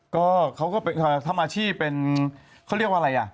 ก็เขาก็ทำอาชีพเป็นเขาเรียกว่าอะไรอ่ะ